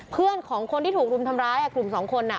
เพื่อนของคนที่ถูกรุมทำร้ายกลุ่มสองคน